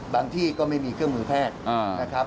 ที่ก็ไม่มีเครื่องมือแพทย์นะครับ